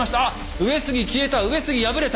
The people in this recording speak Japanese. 上杉消えた上杉敗れた。